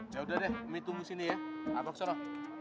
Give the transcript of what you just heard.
ya udah deh umi tunggu sini ya abah kesana